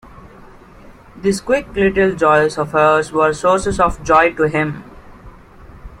These quick little joys of hers were sources of joy to him.